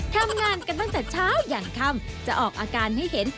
ทำงานกันตั้งแต่เช้ายันค่ำจะออกอาการให้เห็น